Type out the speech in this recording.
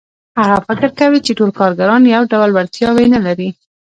هغه فکر کوي چې ټول کارګران یو ډول وړتیاوې نه لري